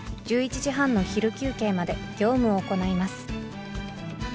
１１時半の昼休憩まで業務を行います。